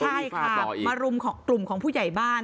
ใช่ค่ะมารุมกลุ่มของผู้ใหญ่บ้าน